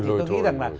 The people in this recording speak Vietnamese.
thì tôi nghĩ rằng là